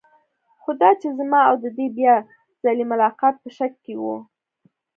خو دا چې زما او د دې بیا ځلې ملاقات په شک کې و.